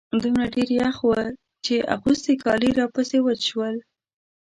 دومره ډېر يخ و چې اغوستي کالي راپسې وچ شول.